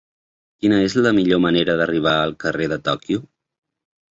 Quina és la millor manera d'arribar al carrer de Tòquio?